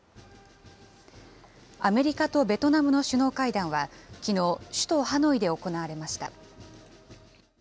アメリカとベトナムの首脳会談は、きのう首都ハノイで行われました。